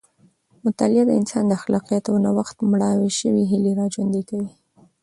مطالعه د انسان د خلاقیت او نوښت مړاوې شوې هیلې راژوندۍ کوي.